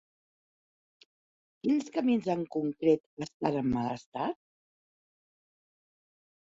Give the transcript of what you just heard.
Quins camins en concret estan en mal estat?